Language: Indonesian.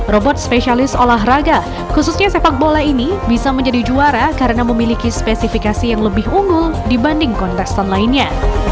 robot spesialis olahraga khususnya sepak bola ini bisa menjadi juara karena memiliki spesifikasi yang lebih unggul dibanding kontestan lainnya